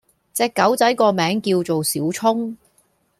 隻狗仔個名叫做小聰